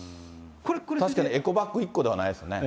確かにエコバッグ１個ではないですね。